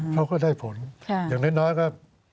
เขาก็ได้ผลอย่างน้อยก็